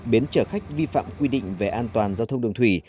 bến chở khách vi phạm quy định về an toàn giao thông đường thủy